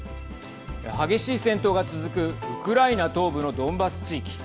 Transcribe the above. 激しい戦闘が続くウクライナ東部のドンバス地域。